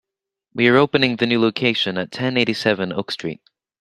We are opening the a new location at ten eighty-seven Oak Street.